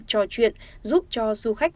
trò chuyện giúp cho du khách